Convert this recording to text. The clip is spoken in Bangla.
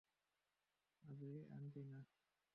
আবে আন্টি না।